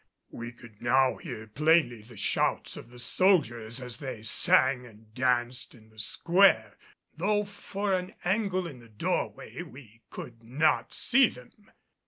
We could now hear plainly the shouts of the soldiers as they sang and danced in the square, though for an angle in the doorway we could not see them.